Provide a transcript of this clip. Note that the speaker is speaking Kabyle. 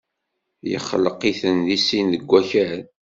yexleq-iten di sin seg wakal.